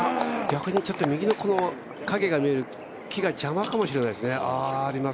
逆に右の影が見える、木が邪魔かもしれないですね。